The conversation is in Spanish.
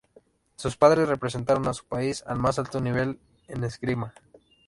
Sus padres representaron a su país al más alto nivel en esgrima.